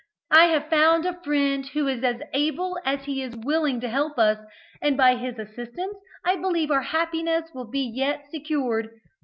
I have found a friend who is as able as he is willing to help us, and by his assistance I believe our happiness will yet be secured.